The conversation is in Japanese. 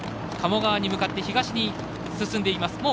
鴨川に向かって東に進んでいます。